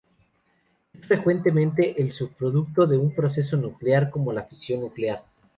Es frecuentemente el subproducto de un proceso nuclear, como la fisión nuclear.